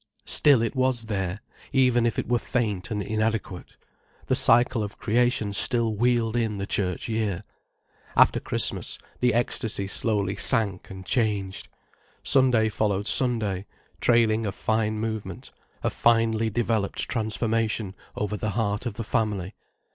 Still it was there, even if it were faint and inadequate. The cycle of creation still wheeled in the Church year. After Christmas, the ecstasy slowly sank and changed. Sunday followed Sunday, trailing a fine movement, a finely developed transformation over the heart of the family.